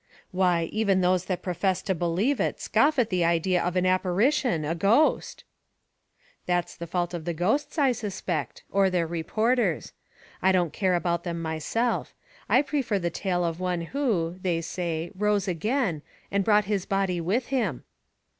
"Why, even those that profess to believe it, scoff at the idea of an apparition a ghost!" "That's the fault of the ghosts, I suspect or their reporters. I don't care about them myself. I prefer the tale of one who, they say, rose again, and brought his body with him."